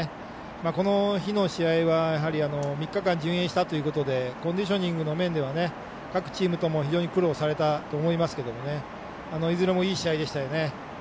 この日の試合は３日間、順延したということでコンディショニングの面では各チームとも非常に苦労されたと思いますがいずれもいい試合でしたよね。